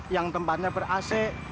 yang tempatnya ber ac